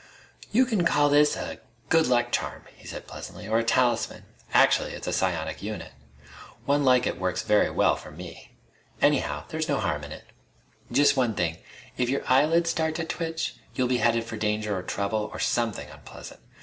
"You can call this a good luck charm," he said pleasantly, "or a talisman. Actually it's a psionic unit. One like it works very well, for me. Anyhow there's no harm in it. Just one thing. If your eyelids start to twitch, you'll be headed for danger or trouble or something unpleasant.